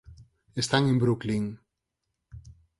Están en Brooklyn.